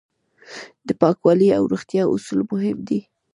د پاکوالي او روغتیا اصول مهم دي.